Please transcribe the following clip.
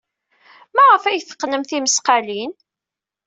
Maɣef ay teqqnem tismaqqalin?